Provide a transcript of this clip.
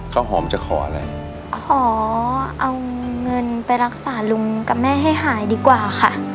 ขอเอาเงินไปรักษาลุงกับแม่ให้หายดีกว่าค่ะ